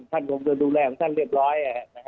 ท่านคงจะดูแลของท่านเรียบร้อย